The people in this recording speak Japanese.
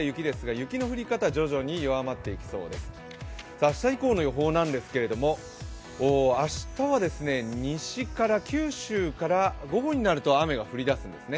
明日以降の予報なんですけれども、明日は西から、九州から午後になると雨が降り出すんですね。